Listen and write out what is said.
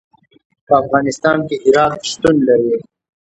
په افغانستان کې هرات شتون لري.